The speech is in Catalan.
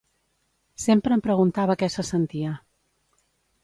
Sempre em preguntava què se sentia.